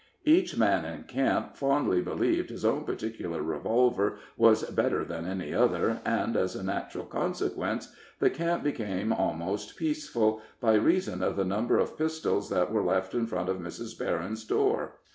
Each man in camp fondly believed his own particular revolver was better than any other, and, as a natural consequence, the camp became almost peaceful, by reason of the number of pistols that were left in front of Mrs. Berryn's door.